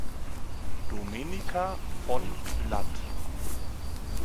Domenica von lat.